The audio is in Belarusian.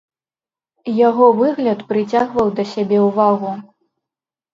Яго выгляд прыцягваў да сябе ўвагу.